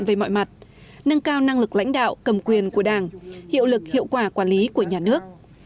về mọi mặt nâng cao năng lực lãnh đạo cầm quyền của đảng hiệu lực hiệu quả quản lý của nhà nước